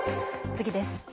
次です。